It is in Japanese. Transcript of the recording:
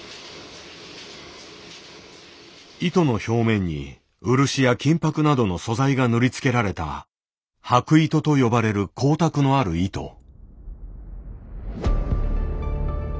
糸の表面に漆や金箔などの素材が塗り付けられた「箔糸」と呼ばれる光沢のある糸。